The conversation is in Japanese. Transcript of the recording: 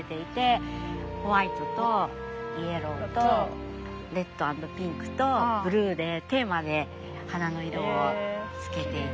ホワイトとイエローとレッドアンドピンクとブルーでテーマで花の色をつけていて。